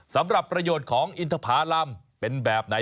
สำหรับประโยชน์ของอินทภารำเป็นแบบไหน